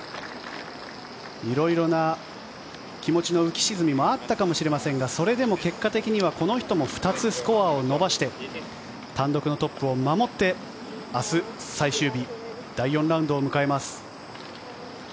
色々な気持ちの浮き沈みもあったかもしれませんがそれでも結果的にはこの人も２つスコアを伸ばして単独のトップを守って明日最終日第４ラウンドを迎えます。